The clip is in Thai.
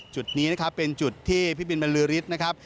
จุดนี้เป็นจุดที่พี่บินบรรลือริสต์นะครับ